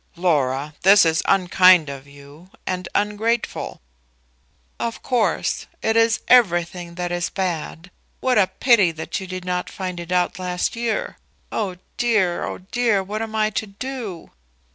"Laura, this is unkind of you, and ungrateful." "Of course; it is everything that is bad. What a pity that you did not find it out last year! Oh dear, oh dear! what am I to do?"